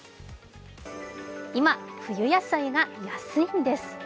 今、冬野菜が安いんです。